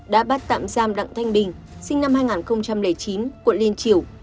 đã bắt tạm giam đặng thanh bình sinh năm hai nghìn chín quận liên triều